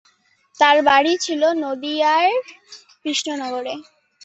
তার বাড়ি ছিল নদীয়ার কৃষ্ণনগরে।